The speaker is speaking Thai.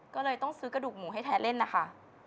ก็เลยต้องซื้อกระดูกหมูให้แท้เล่นนะคะ